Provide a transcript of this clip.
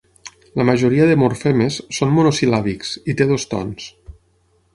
La majoria de morfemes són monosil·làbics i té dos tons.